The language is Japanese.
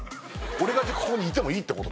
俺がここにいてもいいってこと？